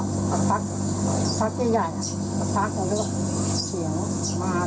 แล้วก็ปะปั๊กปะปั๊กใหญ่ใหญ่ปะปั๊กเขาเรียกว่าเขียงมาแล้ว